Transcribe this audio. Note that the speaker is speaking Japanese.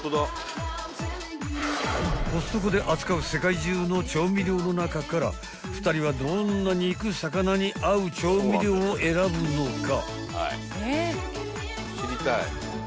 ［コストコで扱う世界中の調味料の中から２人はどんな肉魚に合う調味料を選ぶのか？］